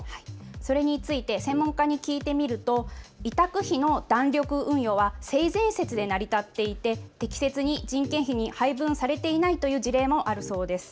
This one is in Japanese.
それについて専門家に聞いてみると委託費の弾力運用は性善説で成り立っていて適切に人件費に配分されていないという事例もあるそうです。